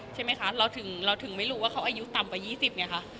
ใช่ไหมคะเราถึงไม่รู้ว่าเขาอายุต่ำกว่า๒๐ไงคะ